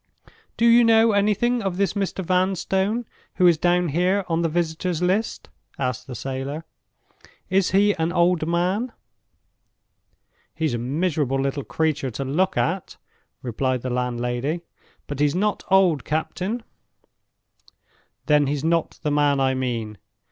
"Do you know anything of this Mr. Vanstone who is down here on the visitors' list?" asked the sailor. "Is he an old man?" "He's a miserable little creature to look at," replied the landlady; "but he's not old, captain." "Then he's not the man I mean.